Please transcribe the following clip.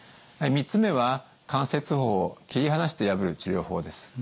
３つ目は関節包を切り離して破る治療法です。